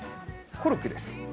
コルクです。